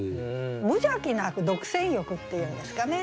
無邪気な独占欲っていうんですかね。